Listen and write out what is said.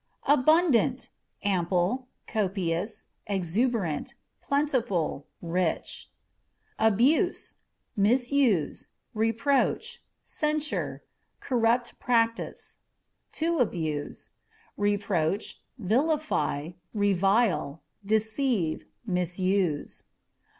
Abundant â€" ample, copious, exuberant, plentiful, rich. Abuse â€" misuse, reproach, censure, corrupt practice. To Abuse â€" reproach, vilify, revile, deceive, misuse.